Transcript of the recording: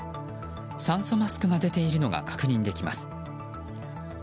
酸素マスクが出ているのが確認できます。